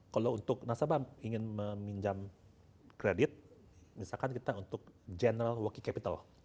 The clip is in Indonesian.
kalau untuk nasabah ingin meminjam kredit misalkan kita untuk general working capital